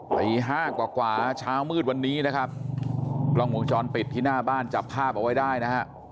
ตีห้ากว่ากว่าเช้ามืดวันนี้นะครับกล้องวงจรปิดที่หน้าบ้านจับภาพเอาไว้ได้นะฮะ